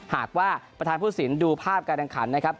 หากว่าประธานผู้สินดูภาพการแข่งขันนะครับ